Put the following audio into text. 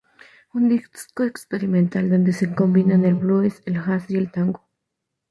Un disco experimental, donde se combinan el blues, el jazz y el tango.